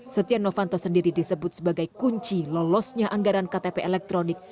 setia novanto sendiri disebut sebagai kunci lolosnya anggaran ktp elektronik